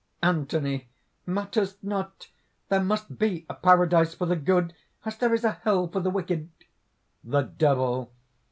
ANTHONY. "Matters not! there must be a paradise for the good, as there is a hell for the wicked." THE DEVIL.